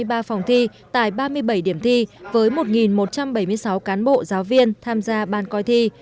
đã bố trí ba trăm chín mươi ba phòng thi tại ba mươi bảy điểm thi với một một trăm bảy mươi sáu cán bộ giáo viên tham gia ban coi thi